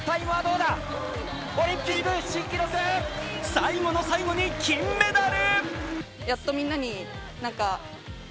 最後の最後に金メダル。